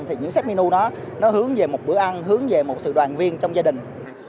thì những sách minu đó nó hướng về một bữa ăn hướng về một sự đoàn viên trong gia đình